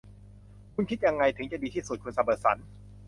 คุณคิดยังไงถึงจะดีที่สุด คุณซัมเมอร์สัน